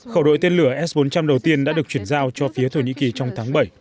khẩu đội tên lửa s bốn trăm linh đầu tiên đã được chuyển giao cho phía thổ nhĩ kỳ trong tháng bảy